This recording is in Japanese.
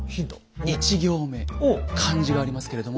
１行目漢字がありますけれども。